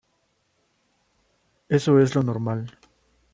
Eso es lo normal.